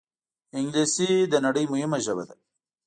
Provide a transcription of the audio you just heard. انګلیسي د نړۍ مهمه ژبه ده